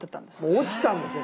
落ちたんですね。